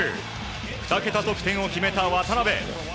２桁得点を決めた渡邊。